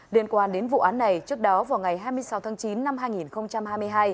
liên quan đến vụ án này trước đó vào ngày hai mươi sáu tháng chín năm hai nghìn hai mươi hai